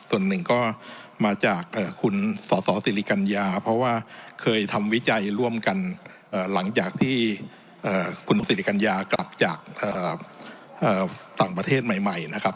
ส่วนหนึ่งก็มาจากคุณสสสิริกัญญาเพราะว่าเคยทำวิจัยร่วมกันหลังจากที่คุณสิริกัญญากลับจากต่างประเทศใหม่นะครับ